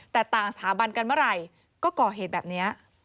แต่ต่างสถาบันกันเมื่อไหร่ก็ก่อเหตุแบบนี้